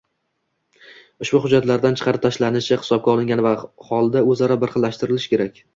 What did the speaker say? ushbu hujjatlardan chiqarib tashlanishi hisobga olingan holda o‘zaro birxillashtirilishi kerak.